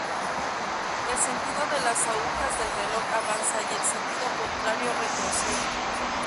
El sentido de las agujas del reloj avanza y el sentido contrario retrocede.